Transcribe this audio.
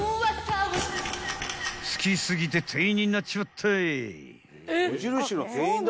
［好き過ぎて店員になっちまったい］